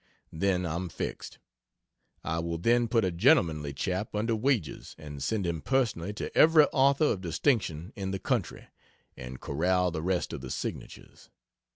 Then I'm fixed. I will then put a gentlemanly chap under wages and send him personally to every author of distinction in the country, and corral the rest of the signatures.